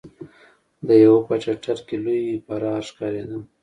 د يوه په ټټر کې لوی پرار ښکارېده.